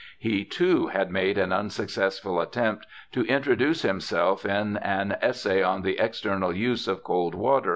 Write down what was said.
He, too, had made an unsuccessful attempt to introduce himself in an Essay on the External Use of Cold Water, &c.